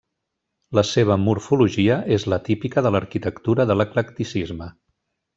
La seva morfologia és la típica de l'arquitectura de l'eclecticisme.